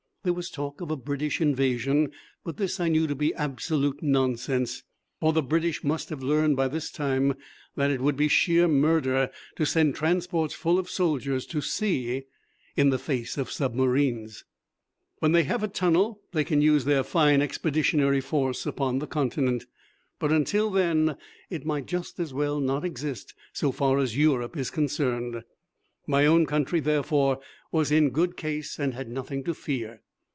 There was talk of a British invasion, but this I knew to be absolute nonsense, for the British must have learned by this time that it would be sheer murder to send transports full of soldiers to sea in the face of submarines. When they have a tunnel they can use their fine expeditionary force upon the Continent, but until then it might just as well not exist so far as Europe is concerned. My own country, therefore, was in good case and had nothing to fear.